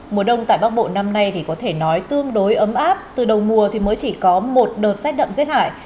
mùa đông tại bắc bộ năm nay có thể nói tương đối ấm áp từ đầu mùa mới chỉ có một đợt rách đậm rết hải